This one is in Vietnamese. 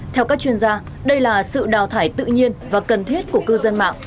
theo các chuyên gia đây là sự đào thải tự nhiên và cần thiết của cư dân mạng